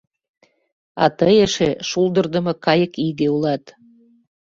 А тый эше шулдырдымо кайык иге улат...